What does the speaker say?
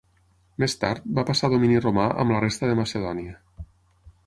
Més tard, va passar a domini romà amb la resta de Macedònia.